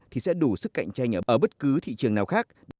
thì sẽ đủ sức cạnh tranh ở bất cứ thị trường nào khác